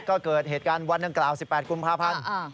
ก็เกิดเหตุการณ์วัณฐานกล่าว๑๘คุมภาพรรณ